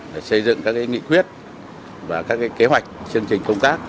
để xây dựng các nghị quyết và các kế hoạch chương trình công tác